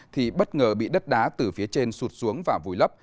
thì bất ngờ bị đất đá từ phía trên sụt xuống và vùi lấp